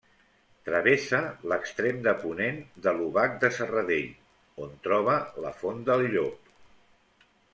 Travessa l'extrem de ponent de l'Obac de Serradell, on troba la Font del Llop.